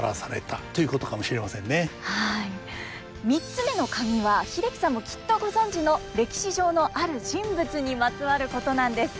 ３つ目のカギは英樹さんもきっとご存じの歴史上のある人物にまつわることなんです。